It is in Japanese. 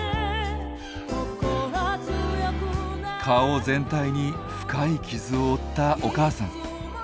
顔全体に深い傷を負ったお母さん。